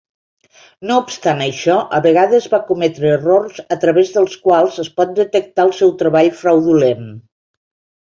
No obstant això, a vegades va cometre errors a través dels quals es pot detectar el seu treball fraudulent.